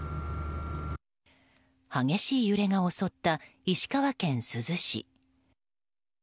激しい揺れが襲った石川県珠洲市。